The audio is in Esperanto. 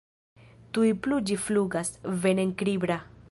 Tuj plu ĝi flugas, venenkribra.